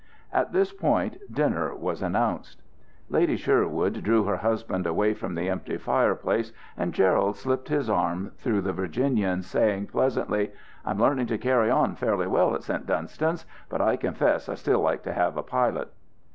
At this point dinner was announced. Lady Sherwood drew her husband away from the empty fireplace, and Gerald slipped his arm through the Virginian's, saying pleasantly, "I'm learning to carry on fairly well at St. Dunstan's, but I confess I still like to have a pilot."